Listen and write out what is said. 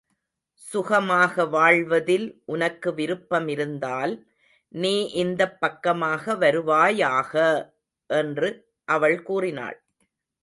சுகமாக வாழ்வதில் உனக்கு விருப்பமிருந்தால், நீ இந்தப் பக்கமாக வருவாயாக! என்று அவள் கூறினாள்.